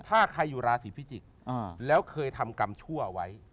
ถ้าใครอยู่ราศีพิจิกษ์แล้วเคยทำกรรมชั่วไว้